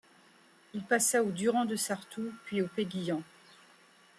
Il passa aux Durand de Sartoux, puis au Peguilhan.